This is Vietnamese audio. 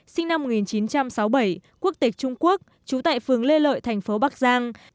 sinh năm một nghìn chín trăm sáu mươi bảy quốc tịch trung quốc trú tại phường lê lợi thành phố bắc giang